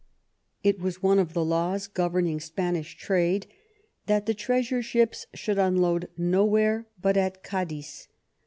It was one of the laws governing Spanish trade that the treasure ships should unload nowhere but at Cadiz.